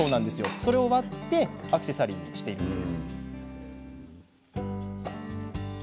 それを割ってアクセサリーにしているんです。